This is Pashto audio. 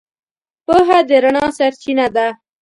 پوهه د رڼا سرچینه ده.